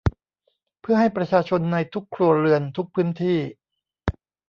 เพื่อให้ประชาชนในทุกครัวเรือนทุกพื้นที่